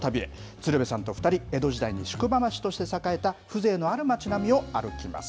鶴瓶さんと２人、江戸時代の宿場町として栄えた、風情のある町並みを歩きます。